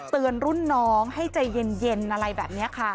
เตือนรุ่นน้องให้ใจเย็นอะไรแบบนี้ค่ะ